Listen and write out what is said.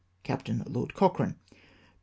" Capt. Lord Cochrane. " P.S.